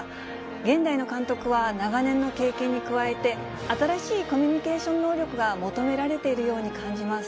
現代の監督は長年の経験に加えて、新しいコミュニケーション能力が求められているように感じます。